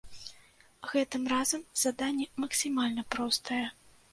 Гэтым разам заданне максімальна простае.